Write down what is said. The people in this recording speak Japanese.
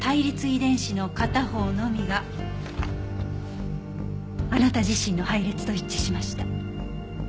遺伝子の片方のみがあなた自身の配列と一致しました。